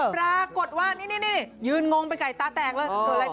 ปรากฏว่านี่ยืนงงเป็นไก่ตาแตกเลย